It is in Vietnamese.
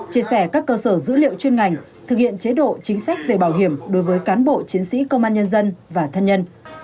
chia sẻ các cơ sở dữ liệu chuyên ngành thực hiện chế độ chính sách về bảo hiểm đối với cán bộ chiến sĩ công an nhân dân và thân nhân